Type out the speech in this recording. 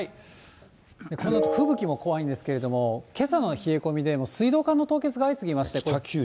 この吹雪も怖いんですけれども、けさの冷え込みでの水道管の凍結が相次ぎまして。